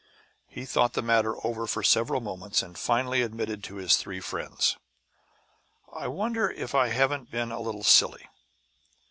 He thought the matter over for a few moments, and finally admitted to his three friends: "I wonder if I haven't been a little silly?